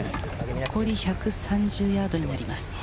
残り１３０ヤードになります。